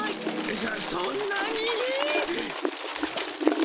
そそんなに？